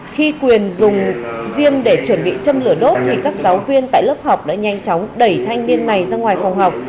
khi quyền dùng riêng để chuẩn bị châm lửa đốt thì các giáo viên tại lớp học đã nhanh chóng đẩy thanh niên này ra ngoài phòng học